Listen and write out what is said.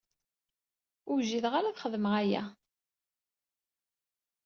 Ur wjideɣ ara ad xedmeɣ aya.